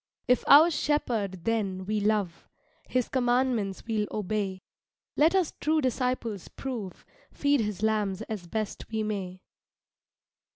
If our Shepherd then we love, His commandments we'll obey; Let us true disciples prove, Feed his lambs as best we may.